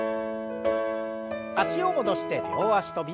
脚を戻して両脚跳び。